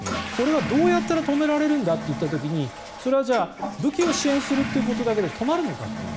これはどうやったら止められるんだといった時にそれは武器を支援するということだけで止まるのかと。